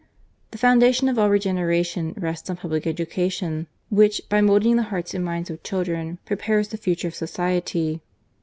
The foundation of all regeneration rests on public education, which, by moulding the hearts and minds of children, prepares the future of society.